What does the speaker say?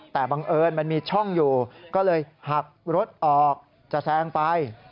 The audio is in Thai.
แต่บังเอิญมันมีช่องอยู่ก็เลยหักรถออกจะแซงไป